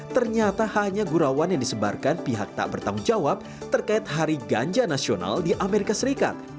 ternyata hanya gurawan yang disebarkan pihak tak bertanggung jawab terkait hari ganja nasional di amerika serikat